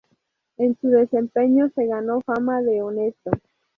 En su desempeño se ganó fama de honesto.